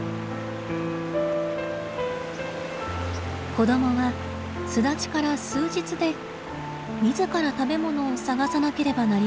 子供は巣立ちから数日で自ら食べ物を探さなければなりません。